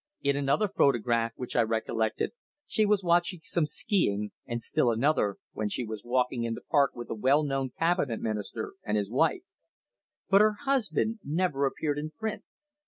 In another photograph which I recollected she was watching some ski ing, and still another, when she was walking in the park with a well known Cabinet Minister and his wife. But her husband never appeared in print.